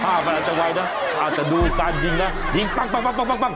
อาจจะดูการยิงนะยิงปั๊กปั๊กปั๊กปั๊กปั๊ก